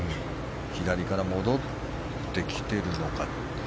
左から戻ってきているか。